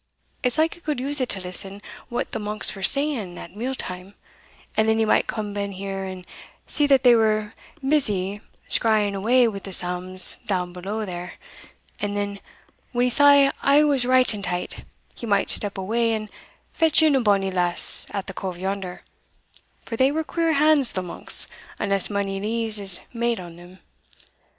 It's like he could use it to listen what the monks were saying at meal time, and then he might come ben here and see that they were busy skreighing awa wi' the psalms doun below there; and then, when he saw a' was right and tight, he might step awa and fetch in a bonnie lass at the cove yonder for they were queer hands the monks, unless mony lees is made on them.